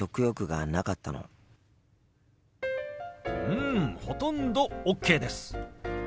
うんほとんどＯＫです。